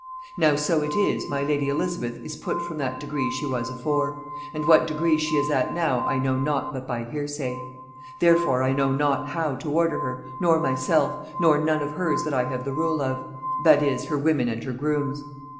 "Now, so it is, my lady Elizabeth is put from that degree she was afore; and what degree she is at now, I know not but by hearsay. Therefore I know not how to order her, nor myself, nor none of hers that I have the rule of; that is, her women and her grooms.